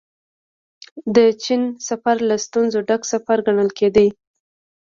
د چين سفر له ستونزو ډک سفر ګڼل کېده.